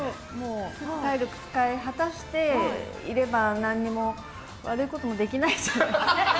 体力を使い果たしていれば何にも悪いこともできないじゃないですか。